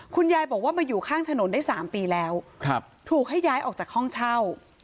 คุณยายบอกว่ามาอยู่ข้างถนนได้๓ปีแล้วถูกให้ย้ายออกจากห้องเช่า